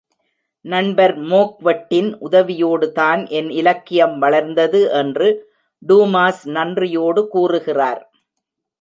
நண்பர் மோக்வெட்டின் உதவியோடுதான் என் இலக்கியம் வளர்ந்தது என்று டூமாஸ் நன்றியோடுகூறுகிறார்.